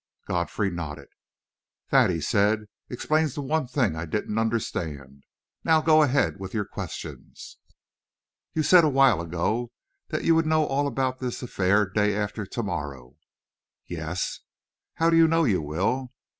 Godfrey nodded. "That," he said, "explains the one thing I didn't understand. Now go ahead with your questions." "You said a while ago that you would know all about this affair day after to morrow." "Yes." "How do you know you will?"